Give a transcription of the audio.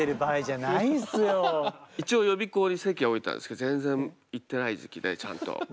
一応予備校に籍は置いたんですけど全然行ってない時期でちゃんと。